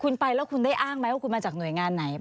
คุณไปแล้วคุณได้อ้างไหมว่าคุณมาจากหน่วยงานไหน